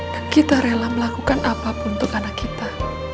tapi kita rela melakukan apapun untuk anak kita